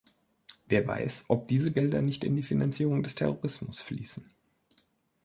Wer weiß, ob diese Gelder nicht in die Finanzierung des Terrorismus fließen.